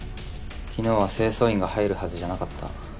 昨日は清掃員が入るはずじゃなかった。